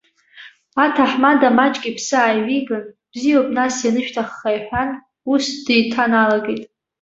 Аҭаҳмада маҷк иԥсы ааивиган, бзиоуп нас ианышәҭахха иҳәан, ус деиҭаналагеит.